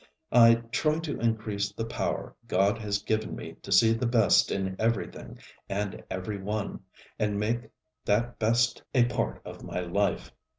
I try to increase the power God has given me to see the best in everything and every one, and make that Best a part of my life.